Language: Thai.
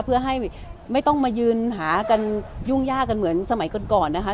เพื่อให้ไม่ต้องมายืนหากันยุ่งยากกันเหมือนสมัยก่อนนะคะ